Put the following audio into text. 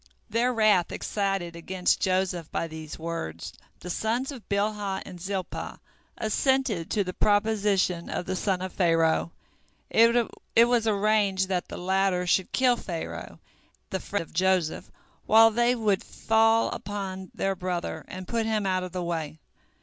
Their wrath excited against Joseph by these words, the sons of Bilhah and Zilpah assented to the proposition of the son of Pharaoh. It was arranged that the latter should kill Pharaoh, the friend of Joseph, while they would fall upon their brother, and put him out of the way.